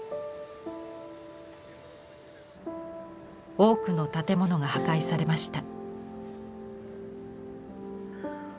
多くの建物が破壊されました。